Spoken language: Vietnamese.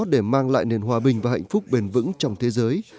để mang lại nền hòa bình và hạnh phúc bền vững trong thế giới